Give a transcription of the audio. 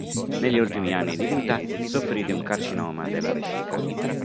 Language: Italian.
Negli ultimi anni di vita soffrì di un carcinoma della vescica.